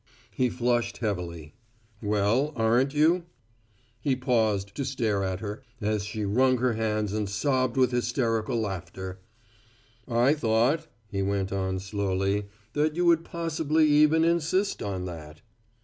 He flushed heavily. "Well, aren't you?" He paused, to stare at her, as she wrung her hands and sobbed with hysterical laughter. "I thought," he went on, slowly, "that you would possibly even insist on that."